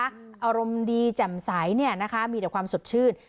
อารมณ์ดีแจ่มใสเนี่ยนะคะมีแต่ความสดชื่น